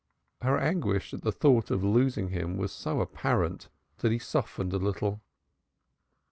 Her anguish at the thought of losing him was so apparent that he softened a little.